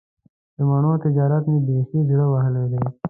د مڼو تجارت مې بیخي زړه وهلی دی.